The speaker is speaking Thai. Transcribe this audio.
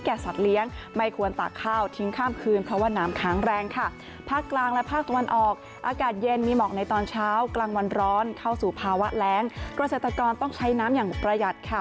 เข้าสู่ภาวะแรงกระเศรษฐกรต้องใช้น้ำอย่างประหยัดค่ะ